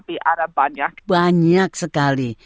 tapi ada banyak banyak sekali